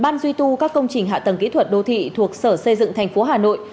ban duy tu các công trình hạ tầng kỹ thuật đô thị thuộc sở xây dựng thành phố hà nội